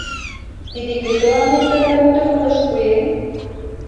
— Тиде кӧ тыланет тыгай мутым ойлышт пуэн?